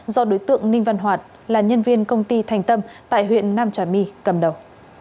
do đối tượng ninh văn hoạt là nhân viên công ty thành tâm tại huyện nam trà my cầm đầu